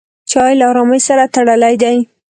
چای له ارامۍ سره تړلی دی.